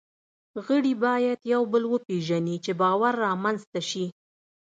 غړي باید یو بل وپېژني، چې باور رامنځ ته شي.